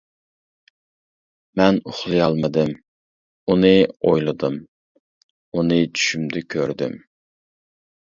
مەن ئۇخلىيالمىدىم، ئۇنى ئويلىدىم، ئۇنى چۈشۈمدە كۆردۈم.